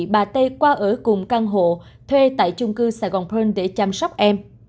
bà tây qua ở cùng căn hộ thuê tại chung cư sài gòn pearl để chăm sóc em